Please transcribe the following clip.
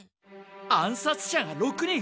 暗殺者が６人！